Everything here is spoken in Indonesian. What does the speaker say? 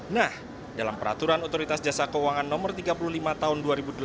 nah dalam peraturan otoritas jasa keuangan no tiga puluh lima tahun dua ribu delapan belas